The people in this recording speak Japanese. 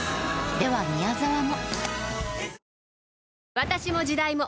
では宮沢も。